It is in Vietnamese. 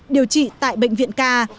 điều trị tại bệnh viện ca